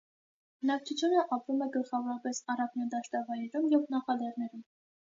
Բնակչությունը ապրում է գլխավորապես առափնյա դաշտավայրերում և նախալեռներում։